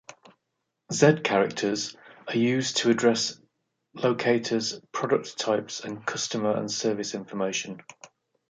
Z characters are used for address locators, product types, and customer and service information.